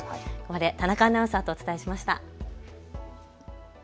ここまで田中アナウンサーとお伝えしました。